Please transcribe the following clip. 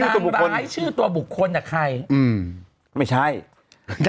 มาร้ายชื่อตัวบุคคลหรือใคร